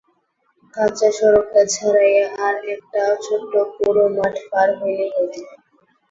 কাঁচা সড়কটা ছাড়াইয়া আর একটা ছোট্ট পোড়ো মাঠ পার হইলেই নদী।